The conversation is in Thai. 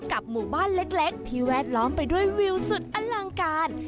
กับหมู่บ้านเล็กที่แวดล้อมไปด้วยวิวสุดอลังการ